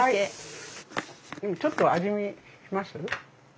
ちょっと味見します？